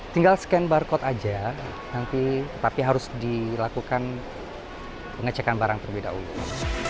tinggal scan barcode saja tapi harus dilakukan pengecekan barang terlebih dahulu